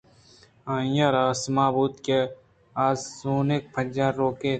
آئی ءَ را سما بوت کہ آ زانوک ءُپجّاروکے